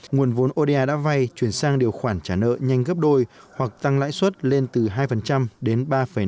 nguồn vốn oda đã vay chuyển sang điều khoản trả nợ nhanh gấp đôi hoặc tăng lãi suất lên từ hai đến ba năm